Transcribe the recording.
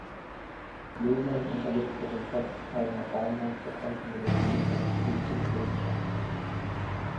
Lohmann unterlegte den Text einer damals bekannten Melodie von Friedrich Silcher.